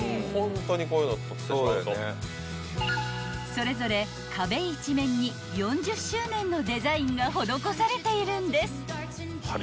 ［それぞれ壁一面に４０周年のデザインが施されているんです］